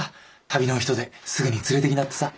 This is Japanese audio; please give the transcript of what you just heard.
旅のお人ですぐに連れてきなってさ。